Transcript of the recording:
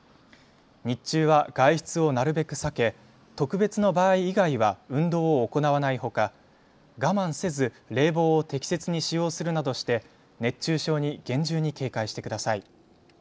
日中は外出をなるべく避け特別の場合以外は運動を行わないほか我慢せず冷房を適切に使用するなどして熱中症に厳重に警戒してください。